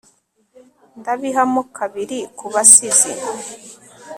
Ndabiha mo kabiri kubasizi